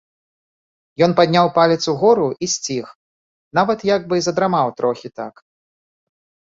Ён падняў палец угору і сціх, нават як бы задрамаў трохі так.